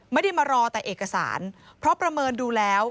ไม่ได้มารอแต่เอกสารเพราะประเมินดูแล้ว